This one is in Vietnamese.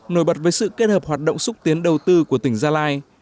nổi bật với sự kết hợp hoạt động xúc tiến đầu tư của tỉnh gia lai